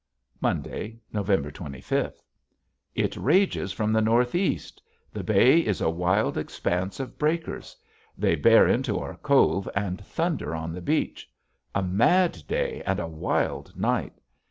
Monday, November twenty fifth. It rages from the northeast! The bay is a wild expanse of breakers. They bear into our cove and thunder on the beach. A mad day and a wild night.